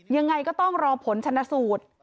ยังไงก็ต้องรอผลชนะสูตร